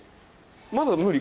まだ無理？